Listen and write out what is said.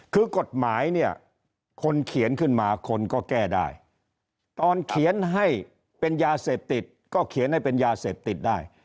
คือกฎหมายเนี่ยคนเขียนขึ้นมาคนก็แก้ได้ตอนเขียนให้เป็นยาเสพติดก็เขียนให้เป็นยาเสพติดได้